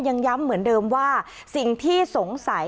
ยังย้ำเหมือนเดิมว่าสิ่งที่สงสัย